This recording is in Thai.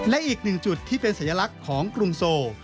และอีกหนึ่งจุดที่เป็นสัญลักษณ์ของกรุงโซ